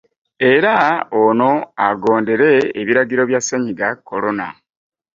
Era Ono agondere ebiragiro bya Ssennyiga Corona.